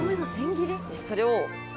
それを。